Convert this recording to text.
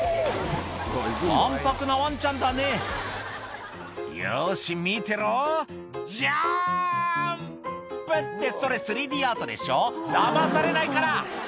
わんぱくなワンちゃんだね「よし見てろジャンプ！」ってそれ３Ｄアートでしょだまされないから！